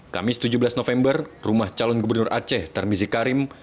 kamis tujuh belas november rumah calon gubernur aceh tarmizi karim